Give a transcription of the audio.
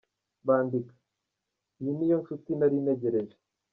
Bandika:Iyi ni yo nshuti nari ntegereje.